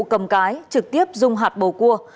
cầm cái trực tiếp dùng hạt bầu cua